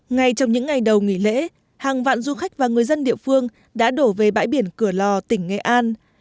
ngay trong những ngày đầu nghỉ lễ hàng vạn du khách và người dân địa phương đã đổ về bãi biển cửa lò tỉnh nghệ an